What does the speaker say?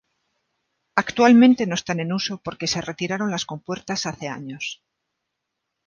Actualmente no están en uso porque se retiraron las compuertas hace años.